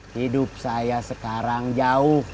hidup saya sekarang jauh